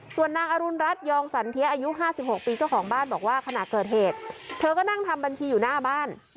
ส่วนนางอรุณรัฐยองสันเทียอายุ๕๖ปีเจ้าของบ้านบอกว่าขณะเกิดเหตุเธอก็นั่งทำบัญชีอยู่หน้าบ้าน